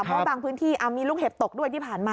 เพราะบางพื้นที่มีลูกเห็บตกด้วยที่ผ่านมา